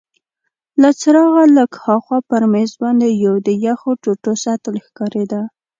له څراغه لږ هاخوا پر مېز باندي یو د یخو ټوټو سطل ښکارید.